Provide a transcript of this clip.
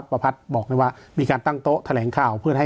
ระคาต้นทุน